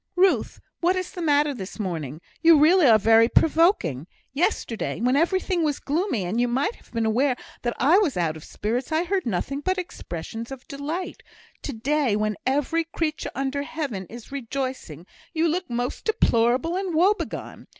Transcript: "Ruth, what is the matter this morning? You really are very provoking. Yesterday, when everything was gloomy, and you might have been aware that I was out of spirits, I heard nothing but expressions of delight; to day, when every creature under heaven is rejoicing, you look most deplorable and woe begone.